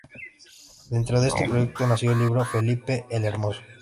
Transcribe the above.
Dentro de este proyecto, nació el libro "Felipe el Hermoso.